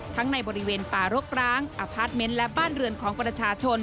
ในบริเวณป่ารกร้างอพาร์ทเมนต์และบ้านเรือนของประชาชน